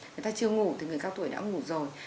người ta chưa ngủ thì người cao tuổi đã ngủ rồi